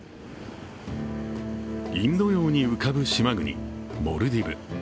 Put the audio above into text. インド洋に浮かぶ島国、モルディブ。